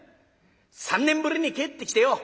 ３年ぶりに帰ってきてよ